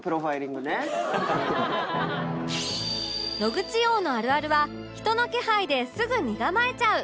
野口王のあるあるは人の気配ですぐ身構えちゃう